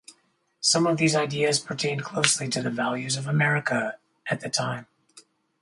Some of these ideas pertained closely to the values of America at the time.